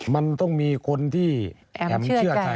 มันต้องมีคนที่แถมเชื่อใจ